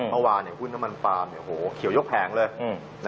เมื่อวานเนี่ยหุ้นน้ำมันปามเนี่ยโหเขียวยกแพงเลย